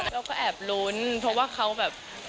เราก็แอบลุ้นเพราะว่าเขาแบบ